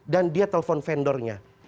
dan dia telepon vendornya